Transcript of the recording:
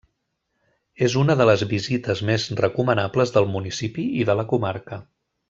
És una de les visites més recomanables del municipi i de la comarca.